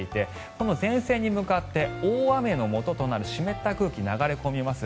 この前線に向かって大雨のもととなる湿った空気が流れ込みます。